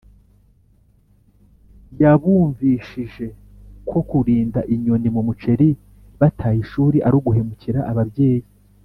yabumvishije ko kurinda inyoni mu muceri bataye ishuri ari uguhemukira ababyeyi.